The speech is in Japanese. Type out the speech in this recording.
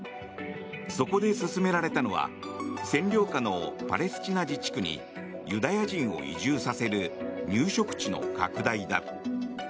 そこで進められたのは占領下のパレスチナ自治区にユダヤ人を移住させる入植地の拡大だ。